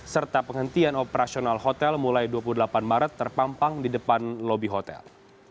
serta penghentian operasional hotel mulai dua puluh delapan maret terpampang di depan lobi hotel